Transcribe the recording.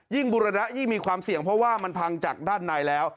บุรณะยิ่งมีความเสี่ยงเพราะว่ามันพังจากด้านในแล้ว